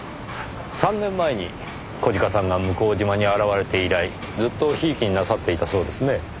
３年前に小鹿さんが向島に現れて以来ずっと贔屓になさっていたそうですね。